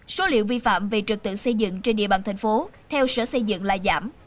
số liệu vi phạm về trật tự xây dựng trên địa bàn thành phố theo sở xây dựng là giảm